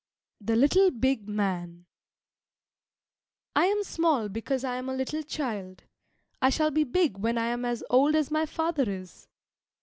THE LITTLE BIG MAN I am small because I am a little child. I shall be big when I am as old as my father is.